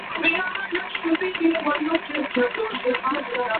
Joy differs from happiness in that it is an emotion.